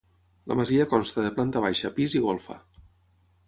La masia consta de planta baixa, pis i golfa.